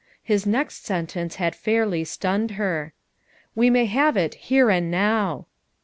His next sen tence had fairly stunned her: "We may have it here and now."